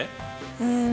うん。